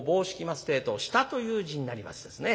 ってえと下という字になりますですね。